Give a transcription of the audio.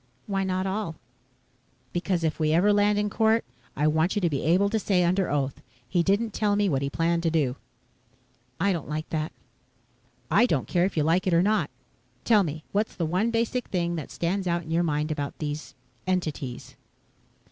"Why not all?" "Because if we ever land in court. I want you to be able to say under oath, 'He didn't tell me what he planned to do.'" "I don't like that." "I don't care if you like it or not. Tell me, what's the one basic thing that stands out in your mind about these entities?"